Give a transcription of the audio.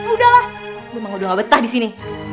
udah lah emang udah gak betah disini